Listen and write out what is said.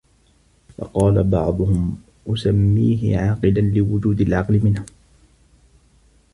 فَقَالَ بَعْضُهُمْ أُسَمِّيهِ عَاقِلًا ؛ لِوُجُودِ الْعَقْلِ مِنْهُ